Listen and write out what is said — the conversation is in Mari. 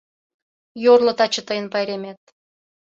Йорло, таче тыйын пайремет